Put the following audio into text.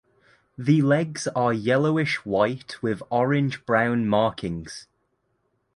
The legs are yellowish white with orange brown markings.